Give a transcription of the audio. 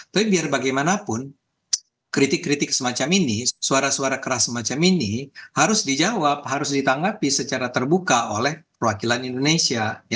tapi biar bagaimanapun kritik kritik semacam ini suara suara keras semacam ini harus dijawab harus ditanggapi secara terbuka oleh perwakilan indonesia